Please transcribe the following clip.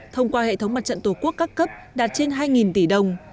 thông qua hệ thống mặt trận tổ quốc các cấp đạt trên hai tỷ đồng